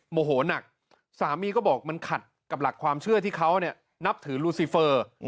โมโหนักสามีก็บอกมันขัดกับหลักความเชื่อที่เขานับถือลูซีเฟอร์